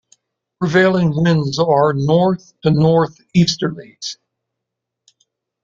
Prevailing winds are north to north-easterlies.